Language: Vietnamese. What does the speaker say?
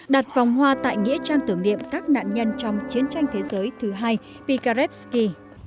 đặt vòng hoa tại nghĩa trang tưởng niệm các nạn nhân trong chiến tranh thế giới thứ hai pikarevsky